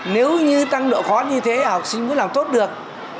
nếu như tăng độ khó như thế học sinh mới làm tốt được